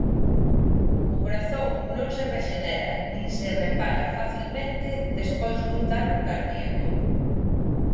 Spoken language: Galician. O corazón non se rexenera nin se repara facilmente despois dun dano cardíaco.